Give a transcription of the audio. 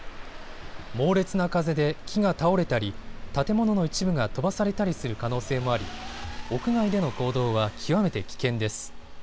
猛烈な風で木が倒れたり建物の一部が飛ばされたりする可能性もあり屋外での行動は極めて危険です。